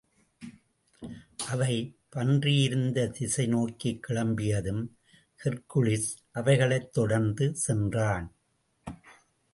அவை பன்றியிருந்த திசை நோக்கிக் கிளம்பியதும், ஹெர்க்குலிஸ் அவைகளைத் தொடர்ந்து சென்றான்.